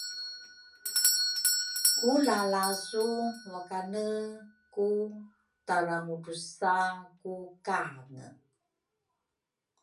ku lalasu wakane ku tarangudrusa ku kange.